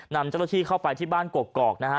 นำเจ้าหน้าที่เข้าไปที่บ้านกกอกนะฮะ